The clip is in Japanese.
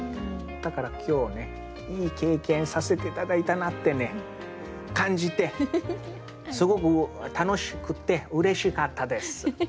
だから今日はねいい経験させて頂いたなって感じてすごく楽しくてうれしかったです。